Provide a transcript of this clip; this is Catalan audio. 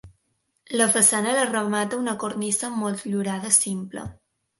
La façana la remata una cornisa motllurada simple.